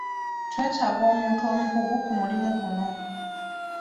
Twetaaga omuntu omukugu ku mulimu guno.